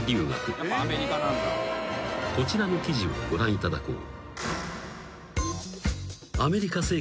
［こちらの記事をご覧いただこう］